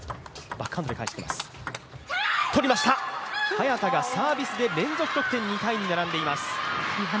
早田がサービスで連続得点２−２、並んでいます。